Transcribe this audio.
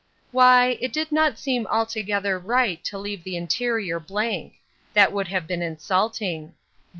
"Why—it did not seem altogether right to leave the interior blank—that would have been insulting.